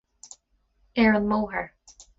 Ar an mbóthar